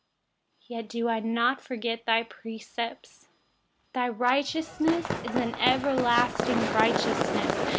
I donât forget your precepts. 142Your righteousness is an everlasting righteousness.